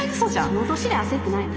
その年で焦ってないの？